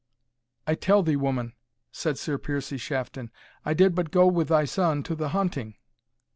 "I tell thee, woman," said Sir Piercie Shafton, "I did but go with thy son to the hunting."